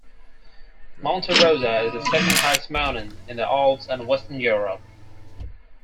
Monte Rosa is the second highest mountain in the Alps and western Europe.